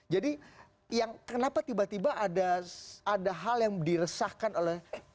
jadi kenapa tiba tiba ada hal yang diresahkan oleh